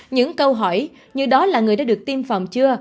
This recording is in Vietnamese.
những câu hỏi như đó là người đã được tiêm phòng chưa